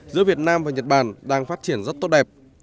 giữa việt nam và nhật bản đang phát triển rất tốt đẹp